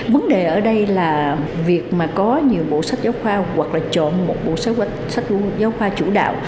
vấn đề ở đây là việc mà có nhiều bộ sách giáo khoa hoặc là chọn một bộ sách giáo khoa chủ đạo